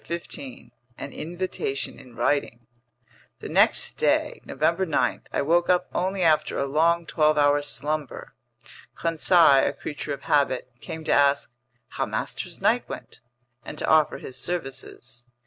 CHAPTER 15 An Invitation in Writing THE NEXT DAY, November 9, I woke up only after a long, twelve hour slumber. Conseil, a creature of habit, came to ask "how master's night went," and to offer his services.